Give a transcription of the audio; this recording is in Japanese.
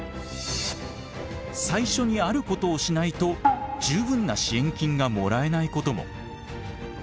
最初にあることをしないと十分な支援金がもらえないことも。